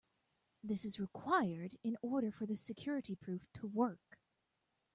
This is required in order for the security proof to work.